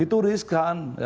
itu risk kan ya